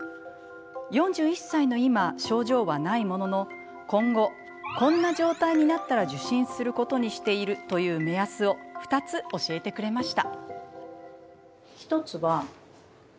４１歳の今、症状はないものの今後こんな状態になったら受診することにしている目安を２つ教えてくれました。